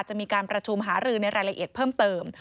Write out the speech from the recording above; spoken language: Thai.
จะมีการประชุมหารือในรายละเอียดเพิ่มเติม